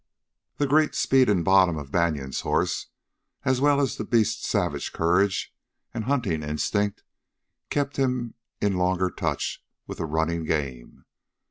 The great speed and bottom of Banion's horse, as well as the beast's savage courage and hunting instinct, kept him in longer touch with the running game.